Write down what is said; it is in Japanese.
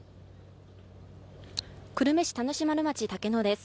久留米市田主丸町竹野です。